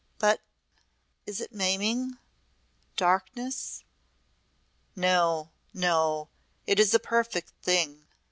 But is it maiming darkness?" "No! No! It is a perfect thing.